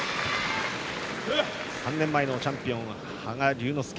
３年前のチャンピオン羽賀龍之介。